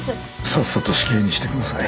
さっさと死刑にしてください。